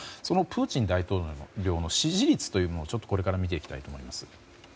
そのプーチン大統領の支持率をこれから見ていきたいと思います。